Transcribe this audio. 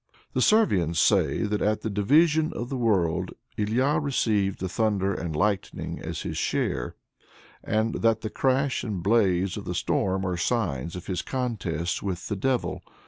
The Servians say that at the division of the world Ilya received the thunder and lightning as his share, and that the crash and blaze of the storm are signs of his contest with the devil.